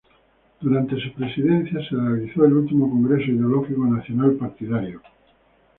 Durante su presidencia se realizó el último Congreso Ideológico Nacional Partidario.